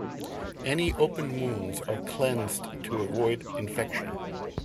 Any open wounds are cleansed to avoid infection.